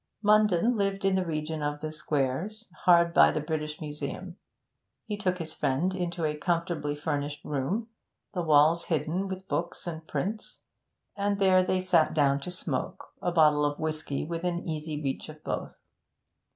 Munden lived in the region of the Squares, hard by the British Museum; he took his friend into a comfortably furnished room, the walls hidden with books and prints, and there they sat down to smoke, a bottle of whisky within easy reach of both.